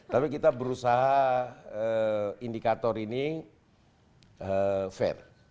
tapi kita berusaha indikator ini fair